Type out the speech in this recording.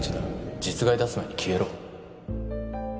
実害出す前に消えろ